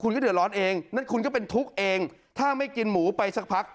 คุณก็เดือดร้อนเองนั่นคุณก็เป็นทุกข์เองถ้าไม่กินหมูไปสักพัก